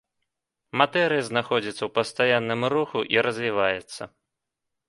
Матэрыя знаходзіцца ў пастаянным руху і развіваецца.